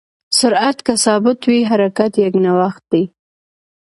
سرعت که ثابت وي، حرکت یکنواخت دی.